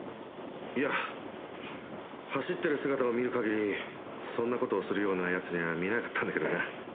いや走ってる姿を見る限りそんな事をするような奴には見えなかったんだけどな。